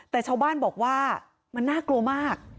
แต่ชาวบ้านบอกว่ามันน่ากลัวมาก